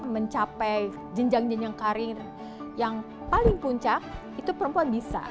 mencapai jenjang jenjang karir yang paling puncak itu perempuan bisa